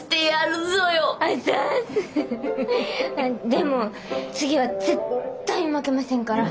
でも次は絶対負けませんから。